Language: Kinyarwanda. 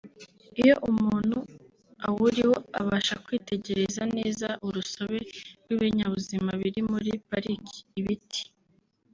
Iyo umuntu awuriho abasha kwitegereza neza urusobe rw’ibinyabuzima biri muri Pariki (ibiti